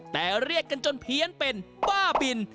แต่เรียกกันจนเพี้ยนเป็นบ้าบิน